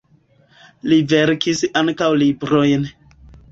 Li verkis ankaŭ librojn.